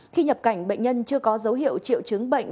khi nhập cảnh bệnh nhân chưa có dấu hiệu triệu chứng bệnh